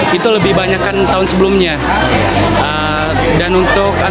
dan yang saya rasakan itu dari tahun sebelumnya sama tahun sekarang